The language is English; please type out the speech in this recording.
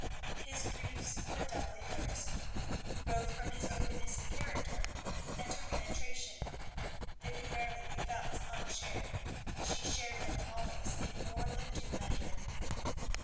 His griefs were doubly hers. Both from his openness of character and her penetration, they could rarely be felt unshared; and she shared them always in more than due measure.